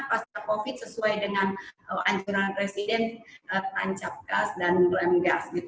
pasca covid sesuai dengan anjuran presiden tancap gas dan blem gas